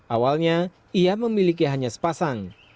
awalnya ia memiliki hanya sepasang